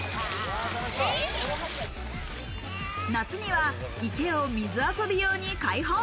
夏には池を水遊び用に開放。